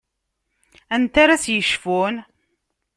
Anta ara s-yecfun?